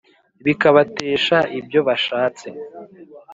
Bikabatesha ibyo bashatse?